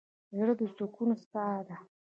زړه د سکون څاه ده.